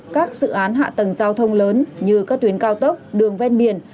các dự án hạ tầng giao thông lớn như các tuyến cao tốc đường ven biển